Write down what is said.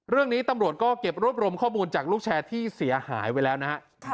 เรื่องนี้ตำรวจก็เก็บรวบรวมข้อมูลจากลูกแชร์ที่เสียหายไว้แล้วนะฮะ